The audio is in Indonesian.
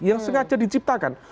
yang sengaja diciptakan